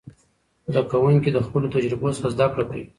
زده کوونکي د خپلو تجربو څخه زده کړه کوي.